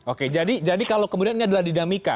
oke jadi kalau kemudian ini adalah dinamika